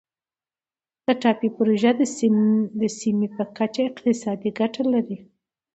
د ټاپي پروژه د سیمې په کچه اقتصادي ګټه لري.